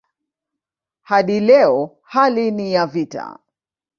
Hadi leo hali ni ya vita.